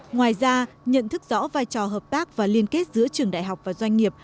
ngoài ra nhận thức rõ vai trò hợp tác và liên kết giữa trường đại học và doanh nghiệp